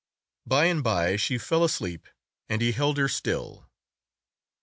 By and by she fell asleep, and he held her still.